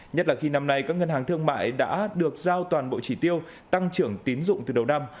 nhất là khi năm nay các ngân hàng thương mại đã được giao toàn bộ chỉ tiêu tăng trưởng tín dụng từ đầu năm